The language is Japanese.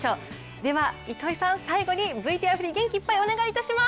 では糸井さん、最後にＶＴＲ振り元気いっぱいにお願いします。